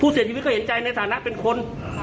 เสียชีวิตก็เห็นใจในฐานะเป็นคน